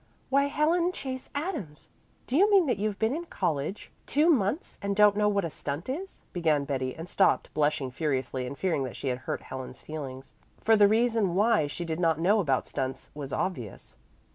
"Why, Helen Chase Adams, do you mean that you've been in college two months and don't know what a stunt is " began Betty, and stopped, blushing furiously and fearing that she had hurt Helen's feelings. For the reason why she did not know about stunts was obvious.